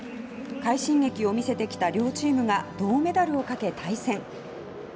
快進撃を見せてきた両チームが銅メダルをかけ対戦。